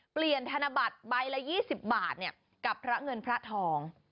ธนบัตรใบละ๒๐บาทกับพระเงินพระทอง